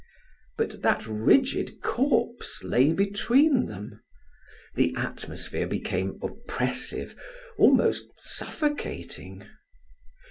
But that rigid corpse lay between them. The atmosphere became oppressive, almost suffocating.